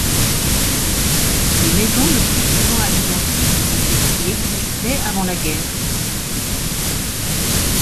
Les maisons le plus souvent à l'identique de ce qui existait avant la guerre.